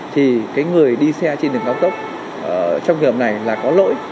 thì cái người đi xe trên đường cao tốc trong trường hợp này là có lỗi